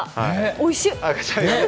おいしい。